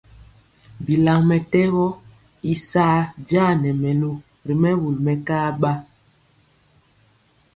Bilaŋ mɛtɛgɔ i saa ja nɛ mɛlu ri mɛwul mɛkaɓa.